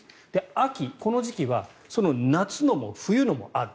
秋、この時期はその夏のも冬のもある。